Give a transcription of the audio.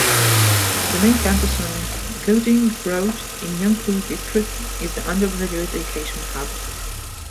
The main campus on Guoding Road in Yangpu District is the undergraduate education hub.